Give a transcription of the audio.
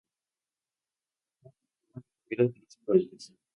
En total ha habido tres puentes.